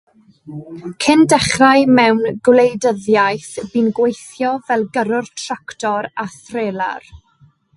Cyn dechrau mewn gwleidyddiaeth, bu'n gweithio fel gyrrwr tractor a threlar.